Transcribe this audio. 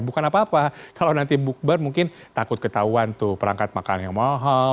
bukan apa apa kalau nanti bukber mungkin takut ketahuan tuh perangkat makanan yang mahal